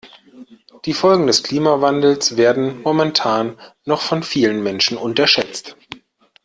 Die Folgen des Klimawandels werden momentan noch von vielen Menschen unterschätzt.